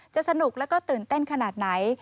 จะสนุกแล้วก็ตื่นเต้นขนาดไหน